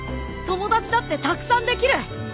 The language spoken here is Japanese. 友達だってたくさんできる。